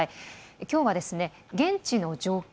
きょうは、現地の状況